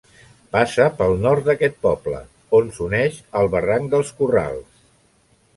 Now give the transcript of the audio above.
Passa pel nord d'aquest poble, on s'uneix al barranc dels Corrals.